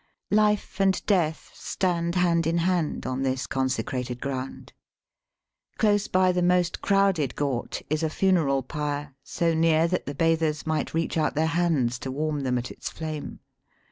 Life and death stand hand in hand on this consecrated ground. Close by the most crowded ghat is a funeral pyre, so near that the bathers might reach out their hands to warm them at its flame.